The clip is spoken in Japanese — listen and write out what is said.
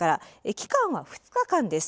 期間は２日間です。